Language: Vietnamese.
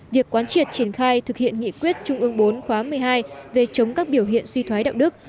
việc quán triệt triển khai thực hiện nghị quyết trung ương bốn khóa một mươi hai về chống các biểu hiện suy thoái đạo đức